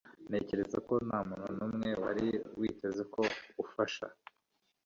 Ntekereza ko ntamuntu numwe wari witeze ko ufasha